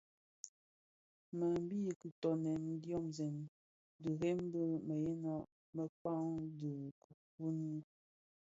Më bi kitoňèn diomzèn di rèm bi mëyëna mëkpa dhi kifuni.